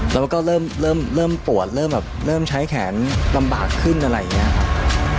แล้วก็เริ่มปวดเริ่มแบบเริ่มใช้แขนลำบากขึ้นอะไรอย่างนี้ครับ